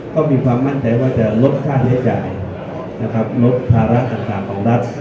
ก็มีความมั่นใจว่าจะลดค่าใช้จ่ายนะครับลดภาระต่างของรัฐ